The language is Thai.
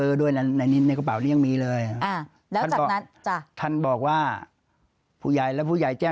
ร้องเรียนผู้ว่าด้วยนะ